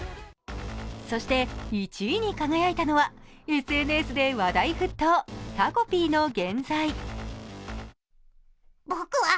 そして１位に輝いたのはＳＮＳで話題沸騰「タコピーの原罪」。